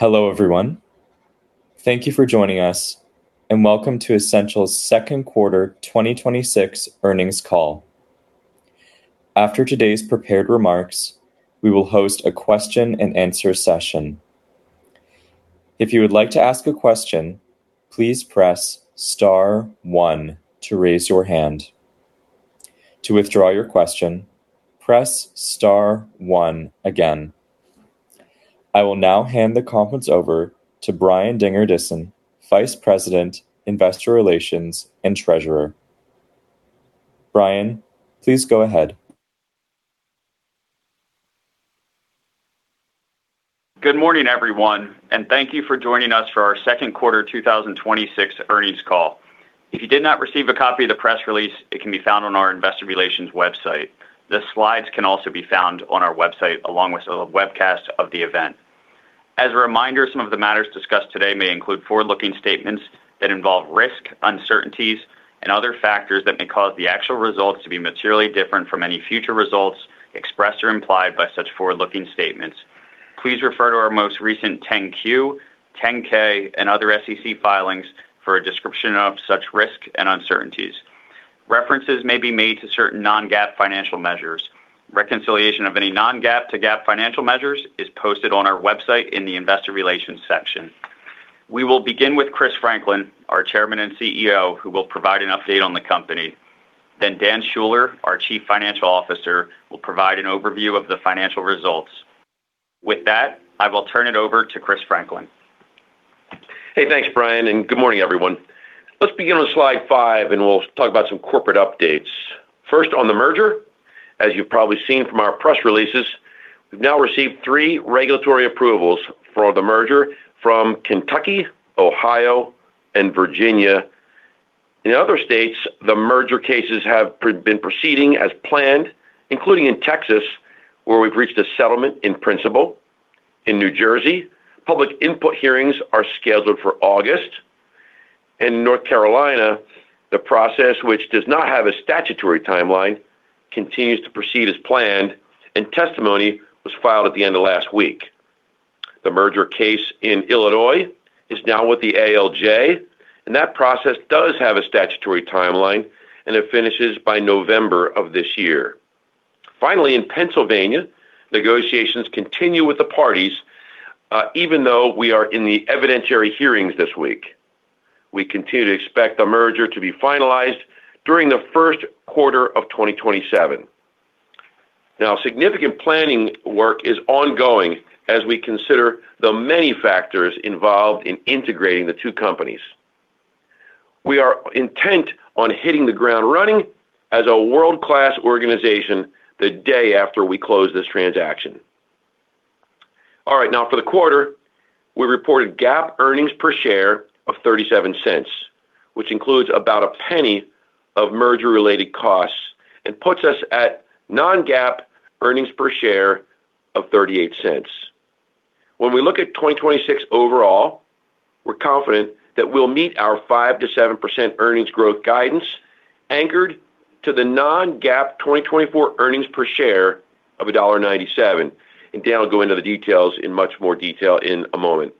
Hello, everyone. Thank you for joining us, and welcome to Essential's second quarter 2026 earnings call. After today's prepared remarks, we will host a question and answer session. If you would like to ask a question, please press star one to raise your hand. To withdraw your question, press star one again. I will now hand the conference over to Brian Dingerdissen, Vice President, Investor Relations, and Treasurer. Brian, please go ahead. Good morning, everyone, and thank you for joining us for our second quarter 2026 earnings call. If you did not receive a copy of the press release, it can be found on our investor relations website. The slides can also be found on our website, along with a webcast of the event. As a reminder, some of the matters discussed today may include forward-looking statements that involve risk, uncertainties, and other factors that may cause the actual results to be materially different from any future results expressed or implied by such forward-looking statements. Please refer to our most recent 10-Q, 10-K, and other SEC filings for a description of such risks and uncertainties. References may be made to certain non-GAAP financial measures. Reconciliation of any non-GAAP to GAAP financial measures is posted on our website in the investor relations section. We will begin with Chris Franklin, our Chairman and CEO, who will provide an update on the company. Dan Schuller, our Chief Financial Officer, will provide an overview of the financial results. With that, I will turn it over to Chris Franklin. Hey, thanks, Brian, and good morning, everyone. Let's begin on slide five, and we'll talk about some corporate updates. First, on the merger. As you've probably seen from our press releases, we've now received three regulatory approvals for the merger from Kentucky, Ohio, and Virginia. In other states, the merger cases have been proceeding as planned, including in Texas, where we've reached a settlement in principle. In New Jersey, public input hearings are scheduled for August. In North Carolina, the process, which does not have a statutory timeline, continues to proceed as planned, and testimony was filed at the end of last week. The merger case in Illinois is now with the ALJ, and that process does have a statutory timeline, and it finishes by November of this year. Finally, in Pennsylvania, negotiations continue with the parties, even though we are in the evidentiary hearings this week. We continue to expect the merger to be finalized during the first quarter of 2027. Significant planning work is ongoing as we consider the many factors involved in integrating the two companies. We are intent on hitting the ground running as a world-class organization the day after we close this transaction. For the quarter, we reported GAAP earnings per share of $0.37, which includes about $0.01 of merger-related costs and puts us at non-GAAP earnings per share of $0.38. When we look at 2026 overall, we're confident that we'll meet our 5%-7% earnings growth guidance anchored to the non-GAAP 2024 earnings per share of $1.97. Dan will go into the details in much more detail in a moment.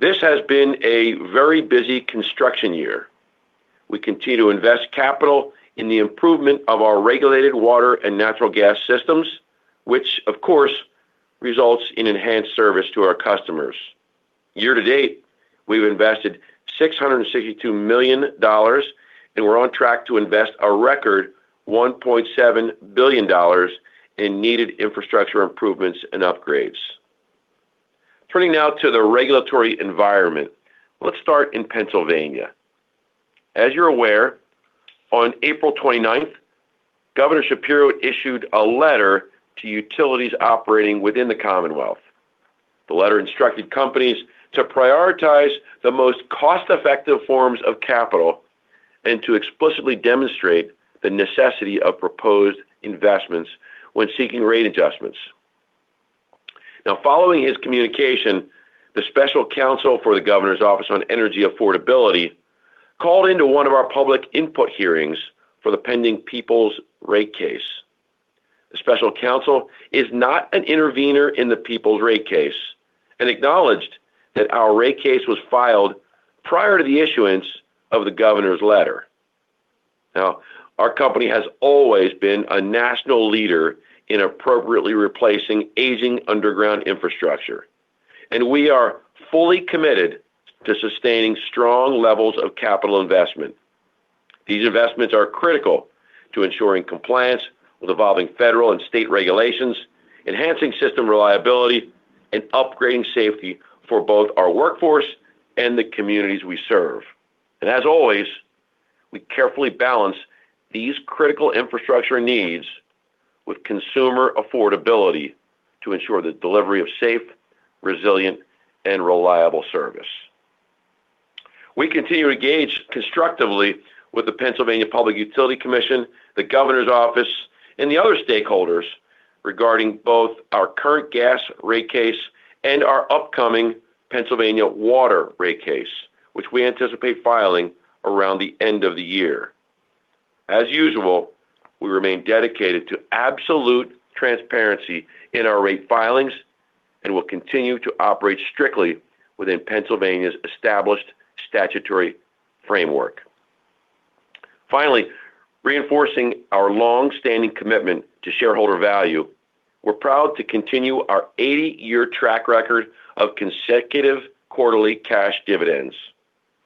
This has been a very busy construction year. We continue to invest capital in the improvement of our regulated water and natural gas systems, which, of course, results in enhanced service to our customers. Year to date, we've invested $662 million, and we're on track to invest a record $1.7 billion in needed infrastructure improvements and upgrades. Turning now to the regulatory environment. Let's start in Pennsylvania. As you're aware, on April 29th, Governor Shapiro issued a letter to utilities operating within the Commonwealth. The letter instructed companies to prioritize the most cost-effective forms of capital and to explicitly demonstrate the necessity of proposed investments when seeking rate adjustments. Following his communication, the special counsel for the Governor's Office on Energy Affordability called into one of our public input hearings for the pending Peoples rate case. The special counsel is not an intervener in the Peoples rate case and acknowledged that our rate case was filed prior to the issuance of the Governor's letter. Our company has always been a national leader in appropriately replacing aging underground infrastructure, and we are fully committed to sustaining strong levels of capital investment. These investments are critical to ensuring compliance with evolving federal and state regulations, enhancing system reliability, and upgrading safety for both our workforce and the communities we serve. As always, we carefully balance these critical infrastructure needs with consumer affordability to ensure the delivery of safe, resilient, and reliable service. We continue to engage constructively with the Pennsylvania Public Utility Commission, the Governor's Office, and the other stakeholders regarding both our current gas rate case and our upcoming Pennsylvania water rate case, which we anticipate filing around the end of the year. As usual, we remain dedicated to absolute transparency in our rate filings and will continue to operate strictly within Pennsylvania's established statutory framework. Finally, reinforcing our longstanding commitment to shareholder value, we're proud to continue our 80-year track record of consecutive quarterly cash dividends.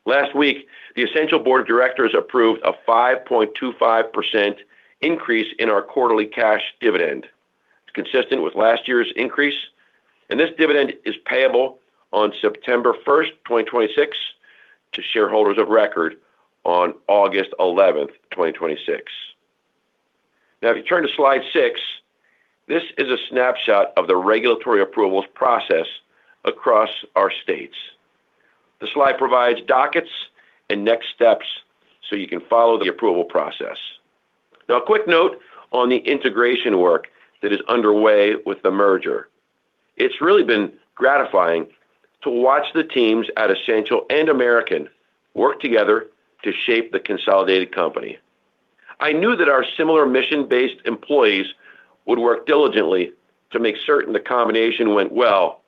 Last week, the Essential Board of Directors approved a 5.25% increase in our quarterly cash dividend. It's consistent with last year's increase, and this dividend is payable on September 1st, 2026, to shareholders of record on August 11th, 2026. If you turn to slide six, this is a snapshot of the regulatory approvals process across our states. This slide provides dockets and next steps so you can follow the approval process. A quick note on the integration work that is underway with the merger. It's really been gratifying to watch the teams at Essential and American Water work together to shape the consolidated company. I knew that our similar mission-based employees would work diligently to make certain the combination went well.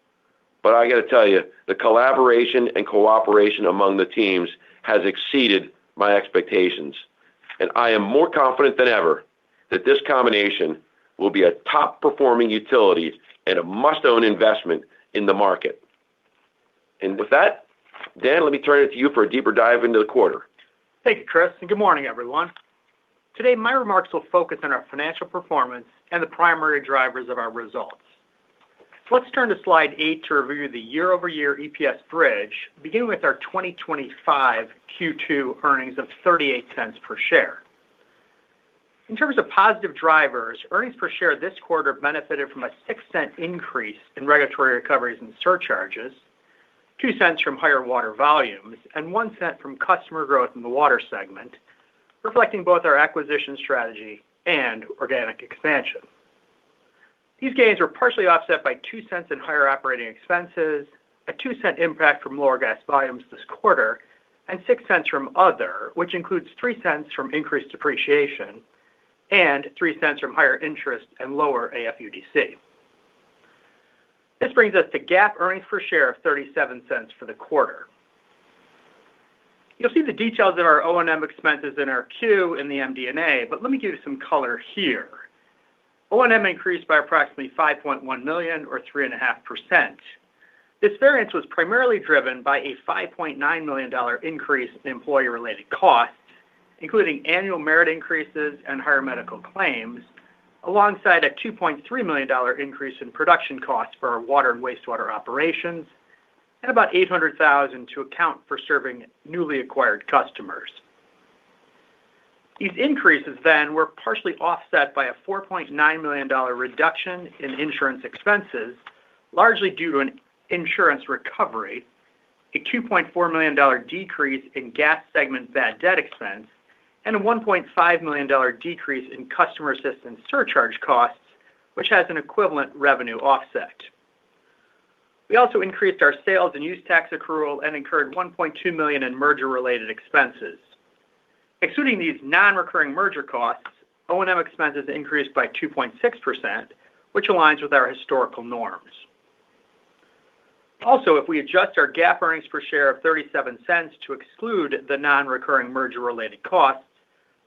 I got to tell you, the collaboration and cooperation among the teams has exceeded my expectations, and I am more confident than ever that this combination will be a top-performing utility and a must-own investment in the market. With that, Dan, let me turn it to you for a deeper dive into the quarter. Thank you, Chris, good morning, everyone. Today, my remarks will focus on our financial performance and the primary drivers of our results. Let's turn to slide eight to review the year-over-year EPS bridge, beginning with our 2025 Q2 earnings of $0.38 per share. In terms of positive drivers, earnings per share this quarter benefited from a $0.06 increase in regulatory recoveries and surcharges, $0.02 from higher water volumes, and $0.01 from customer growth in the water segment, reflecting both our acquisition strategy and organic expansion. These gains were partially offset by $0.02 in higher operating expenses, a $0.02 impact from lower gas volumes this quarter, and $0.06 from other, which includes $0.03 from increased depreciation and $0.03 from higher interest and lower AFUDC. This brings us to GAAP earnings per share of $0.37 for the quarter. You'll see the details of our O&M expenses in our Q in the MD&A, let me give you some color here. O&M increased by approximately $5.1 million or 3.5%. This variance was primarily driven by a $5.9 million increase in employee-related costs, including annual merit increases and higher medical claims, alongside a $2.3 million increase in production costs for our water and wastewater operations, and about $800,000 to account for serving newly acquired customers. These increases were partially offset by a $4.9 million reduction in insurance expenses, largely due to an insurance recovery, a $2.4 million decrease in gas segment bad debt expense, and a $1.5 million decrease in customer assistance surcharge costs, which has an equivalent revenue offset. We also increased our sales and use tax accrual and incurred $1.2 million in merger-related expenses. Excluding these non-recurring merger costs, O&M expenses increased by 2.6%, which aligns with our historical norms. If we adjust our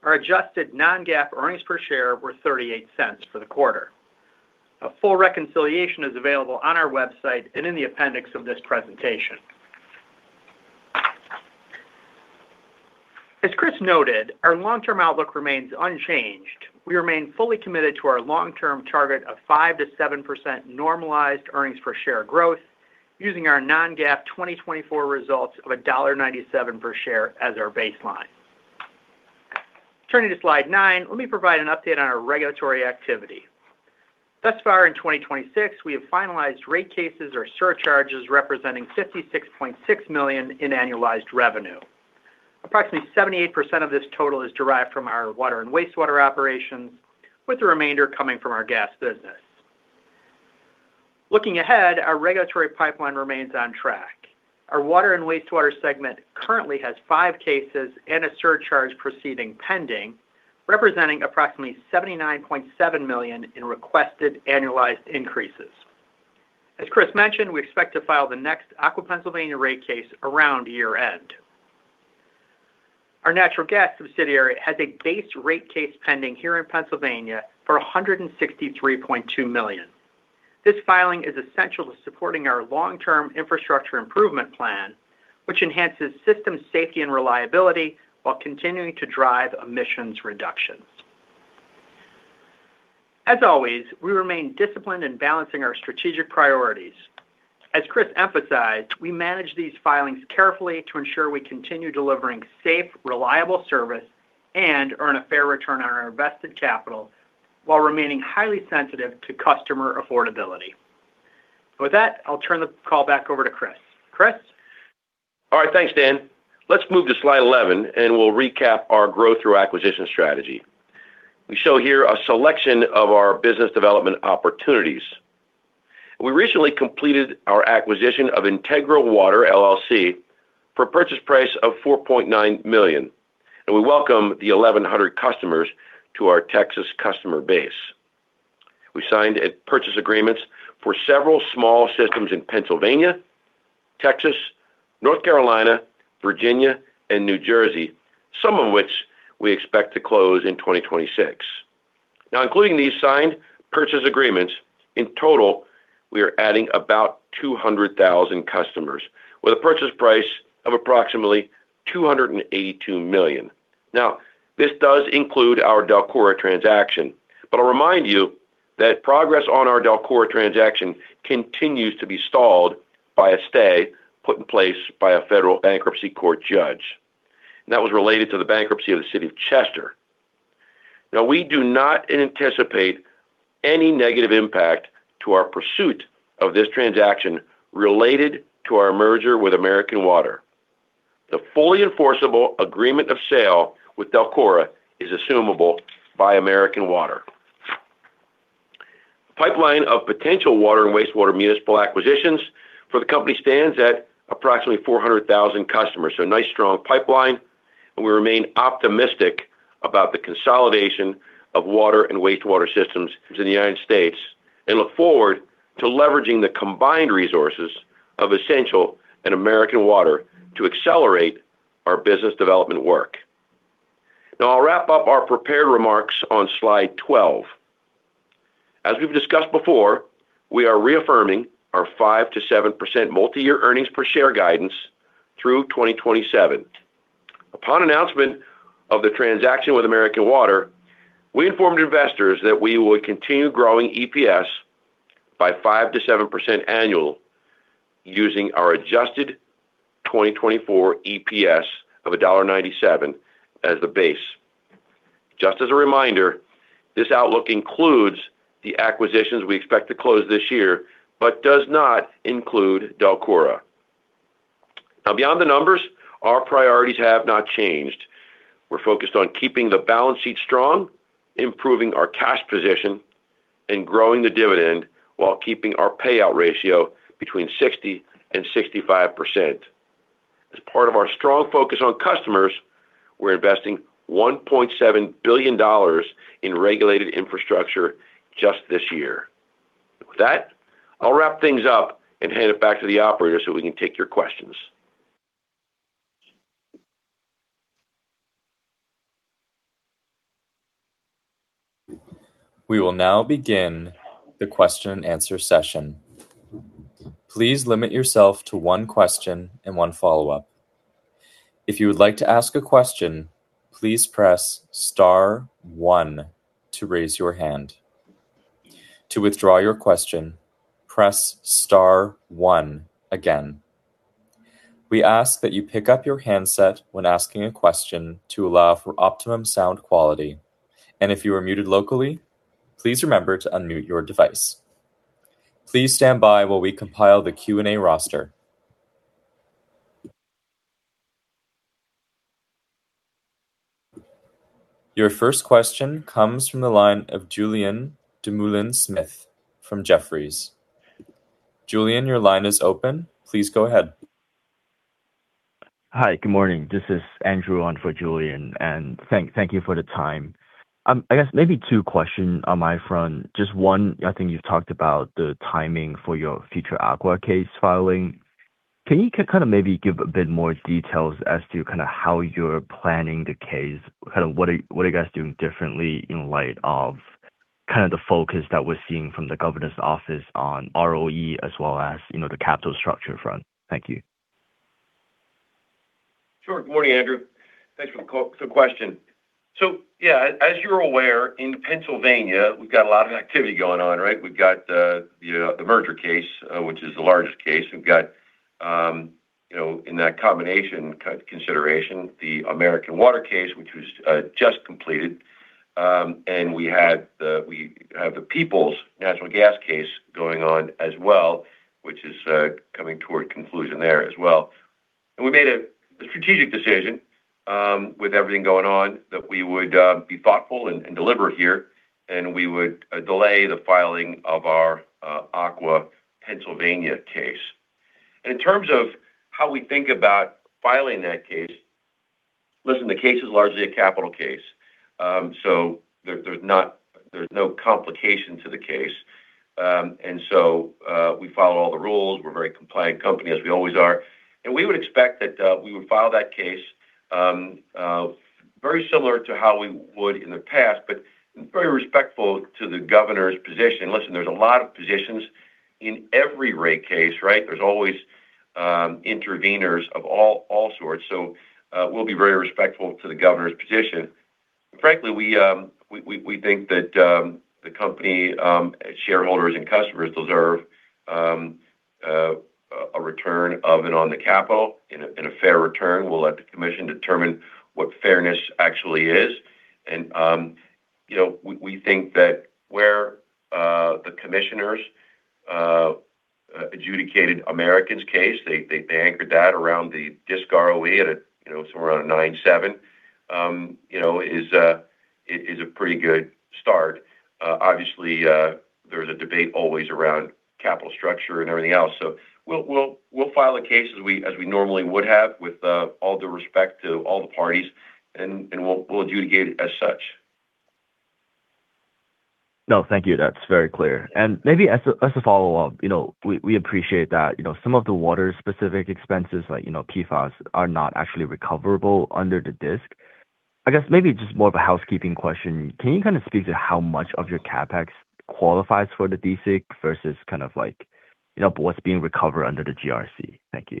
GAAP earnings per share of $0.37 to exclude the non-recurring merger-related costs, our adjusted non-GAAP earnings per share were $0.38 for the quarter. A full reconciliation is available on our website and in the appendix of this presentation. As Chris noted, our long-term outlook remains unchanged. We remain fully committed to our long-term target of 5%-7% normalized earnings per share growth using our non-GAAP 2024 results of $1.97 per share as our baseline. Turning to slide nine, let me provide an update on our regulatory activity. Thus far in 2026, we have finalized rate cases or surcharges representing $56.6 million in annualized revenue. Approximately 78% of this total is derived from our water and wastewater operations, with the remainder coming from our gas business. Looking ahead, our regulatory pipeline remains on track. Our water and wastewater segment currently has five cases and a surcharge proceeding pending, representing approximately $79.7 million in requested annualized increases. As Chris mentioned, we expect to file the next Aqua Pennsylvania rate case around year-end. Our natural gas subsidiary has a base rate case pending here in Pennsylvania for $163.2 million. This filing is essential to supporting our long-term infrastructure improvement plan, which enhances system safety and reliability while continuing to drive emissions reductions. As always, we remain disciplined in balancing our strategic priorities. As Chris emphasized, we manage these filings carefully to ensure we continue delivering safe, reliable service and earn a fair return on our invested capital while remaining highly sensitive to customer affordability. With that, I'll turn the call back over to Chris. Chris? All right. Thanks, Dan. Let's move to slide 11, and we'll recap our growth through acquisition strategy. We show here a selection of our business development opportunities. We recently completed our acquisition of Integra Water LLC for a purchase price of $4.9 million, and we welcome the 1,100 customers to our Texas customer base. We signed purchase agreements for several small systems in Pennsylvania, Texas, North Carolina, Virginia, and New Jersey, some of which we expect to close in 2026. Including these signed purchase agreements, in total, we are adding about 200,000 customers with a purchase price of approximately $282 million. This does include our DELCORA transaction, but I'll remind you that progress on our DELCORA transaction continues to be stalled by a stay put in place by a federal bankruptcy court judge, and that was related to the bankruptcy of the City of Chester. We do not anticipate any negative impact to our pursuit of this transaction related to our merger with American Water. The fully enforceable agreement of sale with DELCORA is assumable by American Water. Pipeline of potential water and wastewater municipal acquisitions for the company stands at approximately 400,000 customers. A nice, strong pipeline, and we remain optimistic about the consolidation of water and wastewater systems in the United States and look forward to leveraging the combined resources of Essential and American Water to accelerate our business development work. I'll wrap up our prepared remarks on slide 12. As we've discussed before, we are reaffirming our 5%-7% multi-year earnings per share guidance through 2027. Upon announcement of the transaction with American Water, we informed investors that we would continue growing EPS by 5%-7% annual using our adjusted 2024 EPS of $1.97 as the base. Just as a reminder, this outlook includes the acquisitions we expect to close this year, but does not include DELCORA. Beyond the numbers, our priorities have not changed. We're focused on keeping the balance sheet strong, improving our cash position, and growing the dividend while keeping our payout ratio between 60%-65%. As part of our strong focus on customers, we're investing $1.7 billion in regulated infrastructure just this year. With that, I'll wrap things up and hand it back to the operator so we can take your questions. We will now begin the question and answer session. Please limit yourself to one question and one follow-up. If you would like to ask a question, please press star one to raise your hand. To withdraw your question, press star one again. We ask that you pick up your handset when asking a question to allow for optimum sound quality. If you are muted locally, please remember to unmute your device. Please stand by while we compile the Q&A roster. Your first question comes from the line of Julien Dumoulin-Smith from Jefferies. Julien, your line is open. Please go ahead. Hi, good morning. This is Andrew on for Julien. Thank you for the time. I guess maybe two questions on my front. Just one, I think you've talked about the timing for your future Aqua case filing. Can you maybe give a bit more details as to how you're planning the case? What are you guys doing differently in light of the focus that we're seeing from the Governor's Office on ROE as well as the capital structure front? Thank you. Sure. Good morning, Andrew. Thanks for the question. Yeah, as you're aware, in Pennsylvania, we've got a lot of activity going on, right? We've got the merger case, which is the largest case. We've got in that combination consideration, the American Water case, which was just completed. We have the Peoples Natural Gas case going on as well, which is coming toward conclusion there as well. We made a strategic decision with everything going on that we would be thoughtful and deliberate here, and we would delay the filing of our Aqua Pennsylvania case. In terms of how we think about filing that case, listen, the case is largely a capital case. There's no complication to the case. We follow all the rules. We're a very compliant company, as we always are. We would expect that we would file that case very similar to how we would in the past, very respectful to the Governor's position. Listen, there's a lot of positions in every Rate Case, right? There's always interveners of all sorts. We'll be very respectful to the Governor's position. Frankly, we think that the company shareholders and customers deserve a return of and on the capital and a fair return. We'll let the Commission determine what fairness actually is. We think that where the Commissioners adjudicated Americans case, they anchored that around the DSIC ROE at somewhere around a 9.7%, is a pretty good start. Obviously, there's a debate always around capital structure and everything else. We'll file a case as we normally would have with all due respect to all the parties. We'll adjudicate it as such. No, thank you. That's very clear. Maybe as a follow-up, we appreciate that some of the water-specific expenses, like PFOS, are not actually recoverable under the DSIC. I guess maybe just more of a housekeeping question. Can you kind of speak to how much of your CapEx qualifies for the DSIC versus what's being recovered under the GRC? Thank you.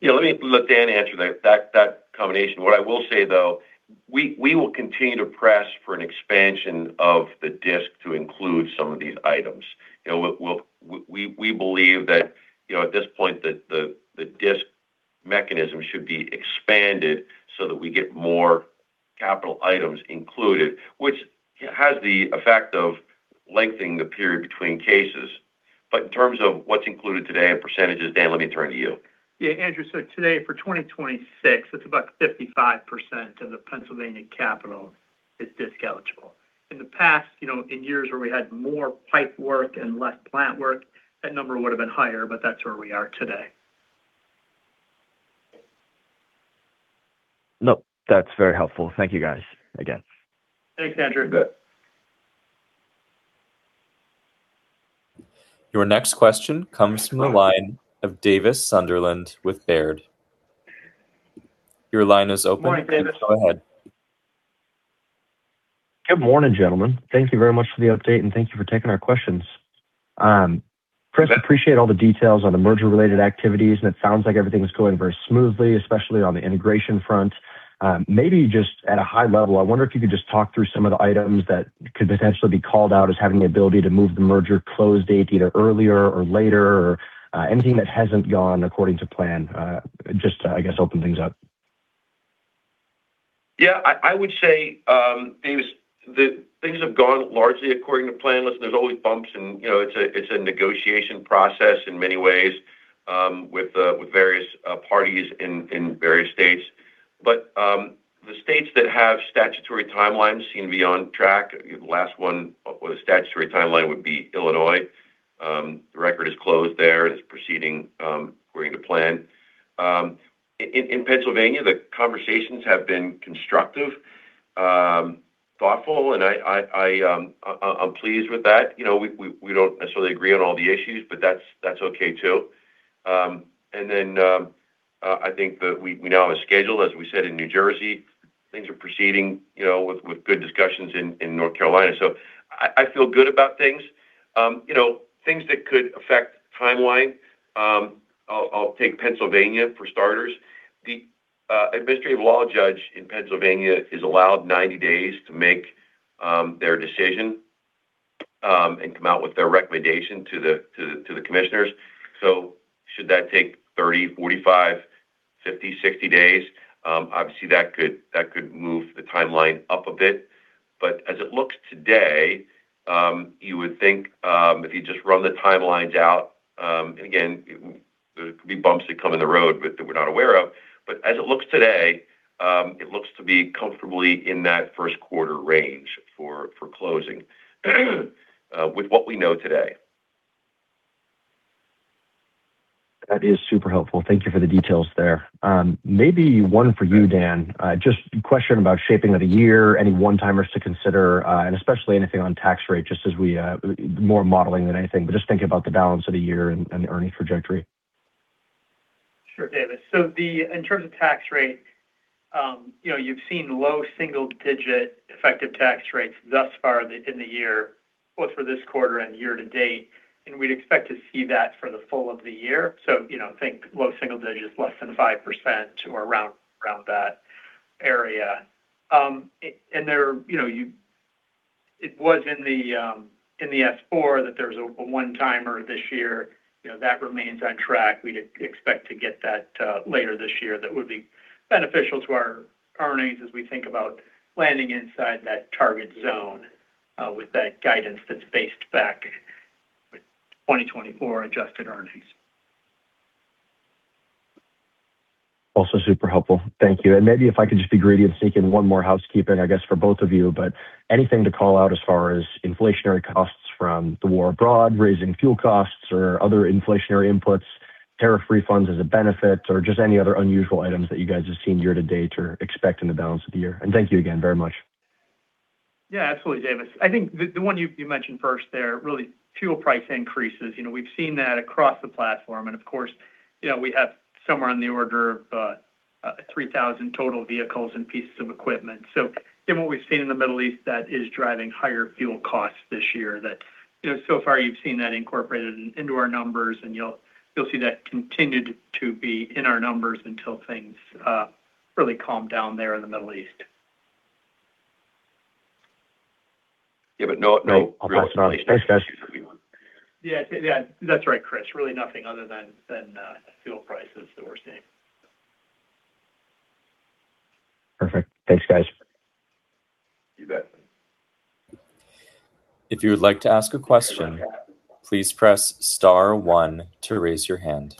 Let Dan answer that combination. What I will say, though, we will continue to press for an expansion of the DSIC to include some of these items. We believe that at this point that the DSIC mechanism should be expanded so that we get more capital items included, which has the effect of lengthening the period between cases. In terms of what's included today and percentages, Dan, let me turn to you. Andrew, today for 2026, it's about 55% of the Pennsylvania capital is DSIC eligible. In the past, in years where we had more pipe work and less plant work, that number would have been higher, but that's where we are today. That's very helpful. Thank you, guys, again. Thanks, Andrew. You bet. Your next question comes from the line of Davis Sunderland with Baird. Your line is open. Good morning, Davis. Go ahead. Good morning, gentlemen. Thank you very much for the update, thank you for taking our questions. Chris, I appreciate all the details on the merger-related activities, it sounds like everything is going very smoothly, especially on the integration front. Just at a high level, I wonder if you could just talk through some of the items that could potentially be called out as having the ability to move the merger close date either earlier or later, or anything that hasn't gone according to plan. Just to, I guess, open things up. I would say, Davis, that things have gone largely according to plan. Listen, there's always bumps and it's a negotiation process in many ways with various parties in various states. The states that have statutory timelines seem to be on track. The last one with a statutory timeline would be Illinois. The record is closed there and is proceeding according to plan. In Pennsylvania, the conversations have been constructive, thoughtful, and I'm pleased with that. We don't necessarily agree on all the issues, that's okay, too. I think that we now have a schedule, as we said, in New Jersey. Things are proceeding with good discussions in North Carolina. I feel good about things. Things that could affect timeline, I'll take Pennsylvania for starters. The Administrative Law Judge in Pennsylvania is allowed 90 days to make their decision and come out with their recommendation to the commissioners. Should that take 30, 45, 50, 60 days? Obviously, that could move the timeline up a bit. As it looks today, you would think if you just run the timelines out, and again, there could be bumps that come in the road that we're not aware of, but as it looks today, it looks to be comfortably in that first quarter range for closing with what we know today. That is super helpful. Thank you for the details there. Maybe one for you, Dan. Just a question about shaping of the year, any one-timers to consider, and especially anything on tax rate, just more modeling than anything, but just thinking about the balance of the year and the earnings trajectory. Sure, Davis. In terms of tax rate, you've seen low single-digit effective tax rates thus far in the year, both for this quarter and year to date, and we'd expect to see that for the full of the year. Think low single digits, less than 5% or around that area. It was in the S4 that there was a one-timer this year. That remains on track. We'd expect to get that later this year. That would be beneficial to our earnings as we think about landing inside that target zone with that guidance that's based back with 2024 adjusted earnings. Also super helpful. Thank you. Maybe if I could just be greedy and sneak in one more housekeeping, I guess, for both of you, but anything to call out as far as inflationary costs from the war abroad, raising fuel costs or other inflationary inputs, tariff refunds as a benefit, or just any other unusual items that you guys have seen year-to-date or expect in the balance of the year? Thank you again very much. Absolutely, Davis. I think the one you mentioned first there, really fuel price increases. We've seen that across the platform. Of course, we have somewhere on the order of 3,000 total vehicles and pieces of equipment. Given what we've seen in the Middle East, that is driving higher fuel costs this year. So far you've seen that incorporated into our numbers, and you'll see that continued to be in our numbers until things really calm down there in the Middle East. Yeah. I'll pass it on. Thanks, guys. other issues that we want. Yeah. That's right, Chris. Really nothing other than fuel prices that we're seeing. Perfect. Thanks, guys. You bet. If you would like to ask a question, please press star one to raise your hand.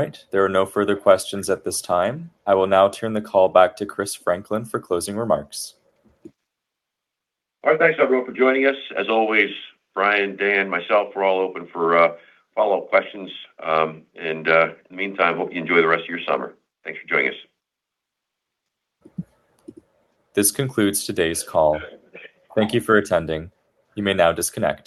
All right. There are no further questions at this time. I will now turn the call back to Chris Franklin for closing remarks. All right. Thanks, everyone, for joining us. As always, Brian, Dan, myself, we're all open for follow-up questions. In the meantime, hope you enjoy the rest of your summer. Thanks for joining us. This concludes today's call. Thank you for attending. You may now disconnect.